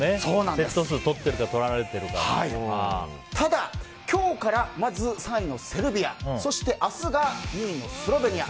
セット数とってるかただ、今日からまず３位のセルビアそして明日が２位のスロベニア。